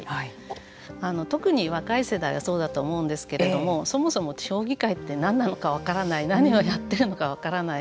特に若い世代はそうだと思うんですけれどもそもそも地方議会って何なのか分からない何をやっているのか分からない。